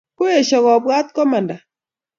Koesho kobwat komanda